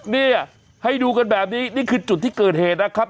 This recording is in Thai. เนี่ยให้ดูกันแบบนี้นี่คือจุดที่เกิดเหตุนะครับ